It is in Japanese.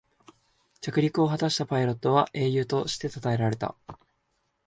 着陸を果たしたパイロットは英雄としてたたえられた